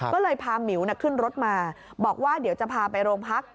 ก็เลยพาหมิวขึ้นรถมาบอกว่าเดี๋ยวจะพาไปโรงพัก